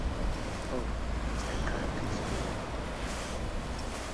Oh, I can't explain.